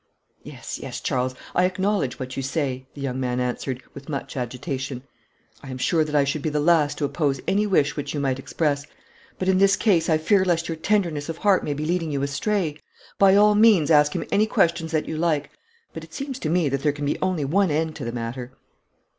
'Yes, yes, Charles; I acknowledge what you say,' the young man answered, with much agitation. 'I am sure that I should be the last to oppose any wish which you might express, but in this case I fear lest your tenderness of heart may be leading you astray. By all means ask him any questions that you like; but it seems to me that there can be only one end to the matter.'